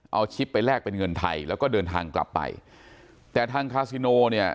เอาชิปไปแลกเป็นเงินไทยแล้วก็เดินทางกลับไปแต่ทางคาซิโนเนี่ย